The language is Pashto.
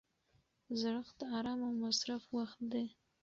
زړښت د ارام او مصرف وخت دی.